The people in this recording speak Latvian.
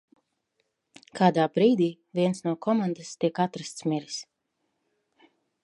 Kādā brīdī viens no komandas tiek atrasts miris.